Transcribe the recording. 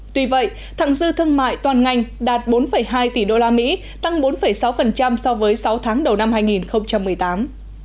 tuy vậy thẳng dư thương mại toàn ngành đạt bốn hai tỷ usd tăng bốn sáu so với sáu tháng đầu năm hai nghìn một mươi tám